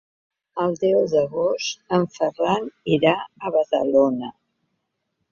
El deu d'agost en Ferran irà a Badalona.